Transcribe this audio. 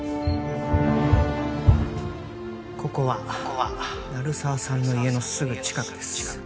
ここは鳴沢さんの家のすぐ近くです